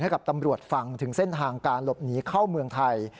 ให้กับตำรวจฟังถึงเส้นทางการหลบหนีเข้าเมืองไทย